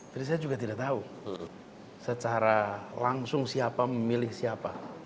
jadi saya juga tidak tahu secara langsung siapa memilih siapa